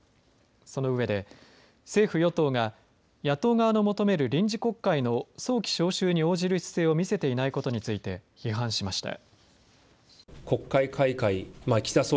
そのうえで政府与党が野党側の求める臨時国会の早期召集に応じる姿勢を見せていないことについて批判しました。